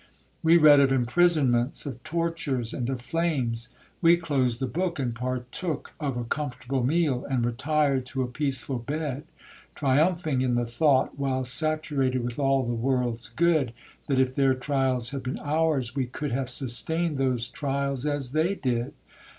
We read of imprisonments, of tortures, and of flames!—We closed the book, and partook of a comfortable meal, and retired to a peaceful bed, triumphing in the thought, while saturated with all the world's good, that if their trials had been ours, we could have sustained those trials as they did.